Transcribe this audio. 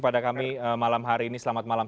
pada kami malam hari ini selamat malam